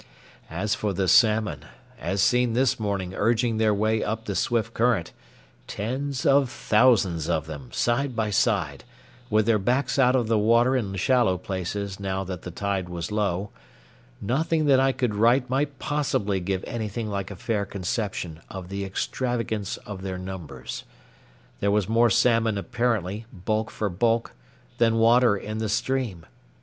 As for the salmon, as seen this morning urging their way up the swift current,—tens of thousands of them, side by side, with their backs out of the water in shallow places now that the tide was low,—nothing that I could write might possibly give anything like a fair conception of the extravagance of their numbers. There was more salmon apparently, bulk for bulk, than water in the stream.